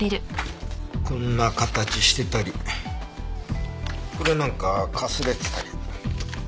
こんな形してたりこれなんかかすれてたり。